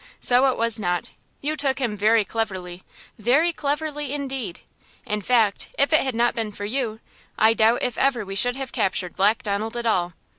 so it was not! You took him very cleverly! Very cleverly, indeed! In fact, if it had not been for you, I doubt if ever we should have captured Black Donald at all.